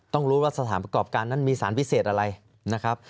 ต้องรู้ว่าสถานประกอบการนั้นมีสารพิเศษอะไรนะครับ